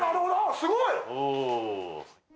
すごい！